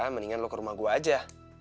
mendingan lo ke rumah gue aja